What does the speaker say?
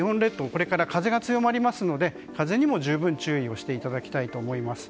これから風が強まりますので風にも十分注意をしていただきたいと思います。